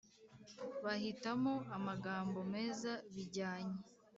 bahitamo amagambo meza bijyanye